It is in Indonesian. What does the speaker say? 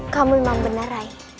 kamu memang benar ray